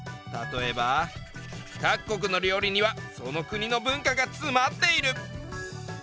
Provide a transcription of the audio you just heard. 例えば「各国の料理にはその国の文化がつまっている」。